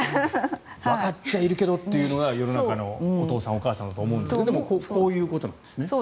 わかっちゃいるけどというのが世の中のお父さん、お母さんだと思うんですがでもこういうことなんですね。